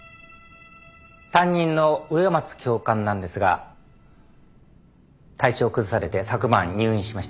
担任の植松教官なんですが体調を崩されて昨晩入院しました。